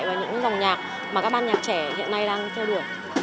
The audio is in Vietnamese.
và những dòng nhạc mà các ban nhạc trẻ hiện nay đang theo đuổi